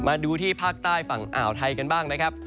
มาดูที่ภาคใต้ฝั่งอ่าวไทยกันบ้างนะครับ